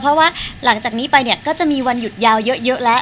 เพราะว่าหลังจากนี้ไปเนี่ยก็จะมีวันหยุดยาวเยอะแล้ว